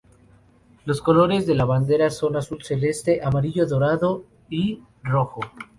Los colores de la bandera son azul celeste, amarillo dorado y rojo.